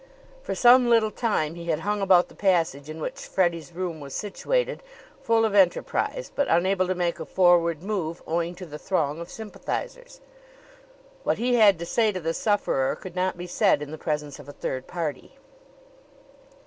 For some little time he had hung about the passage in which Freddie's room was situated, full of enterprise, but unable to make a forward move owing to the throng of sympathizers. What he had to say to the sufferer could not be said in the presence of a third party.